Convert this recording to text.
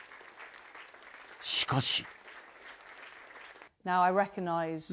しかし。